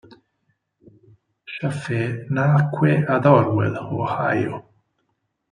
Chaffee nacque ad Orwell, Ohio.